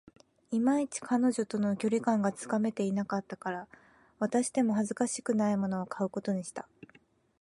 いまいち、彼女との距離感がつかめていなかったから、渡しても恥ずかしくないものを買うことにした